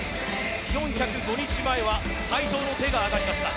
４０５日前は斎藤の手が挙がりました。